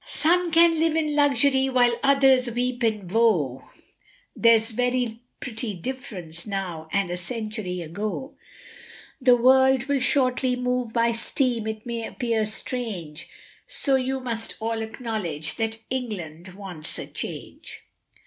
Some can live in luxury while others weep in woe, There's very pretty difference now and a century ago, The world will shortly move by steam it may appear strange, So you must all acknowledge that England wants a change.